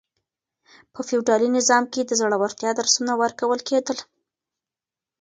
په فيوډالي نظام کي د زړورتيا درسونه ورکول کېدل.